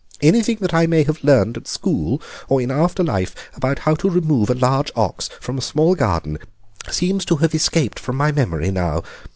Anything that I may have learned at school or in after life about how to remove a large ox from a small garden seems to have escaped from my memory now.